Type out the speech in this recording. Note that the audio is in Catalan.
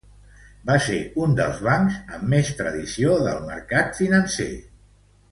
Va ser un dels bancs amb més tradició del mercat financer espanyol.